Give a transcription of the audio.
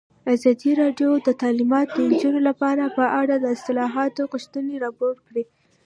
ازادي راډیو د تعلیمات د نجونو لپاره په اړه د اصلاحاتو غوښتنې راپور کړې.